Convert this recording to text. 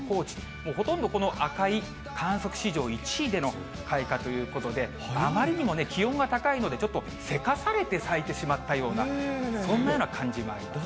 もうほとんどこの赤い、観測史上１位での開花ということで、あまりにも気温が高いので、ちょっとせかされて咲いてしまったような、そんなような感じもありますね。